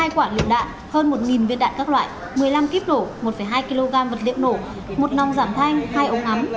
hai quả lựu đạn hơn một viên đạn các loại một mươi năm kíp nổ một hai kg vật liệu nổ một nòng giảm thanh hai ống ngắm